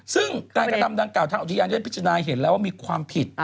ซึ่งการกระทำดังกล่าทางอุทยานได้พิจารณาเห็นแล้วว่ามีความผิด